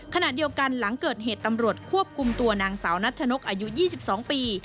ขณะเดียวกันหลังเกิดเหตุตำรวจควบคุมตัวนางสาวนัชนกอายุ๒๒ปี